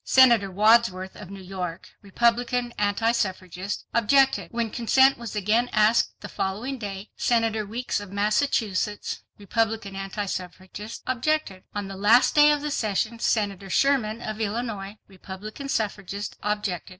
Senator Wadsworth, of New York, Republican anti suffragist, objected. When consent was again asked, the following day, Senator Weeks of Massachusetts, Republican anti suffragist, objected. On the last day of the session, Senator Sherman of Illinois, Republican suffragist, objected.